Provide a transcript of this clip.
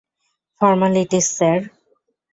Formalities, sir.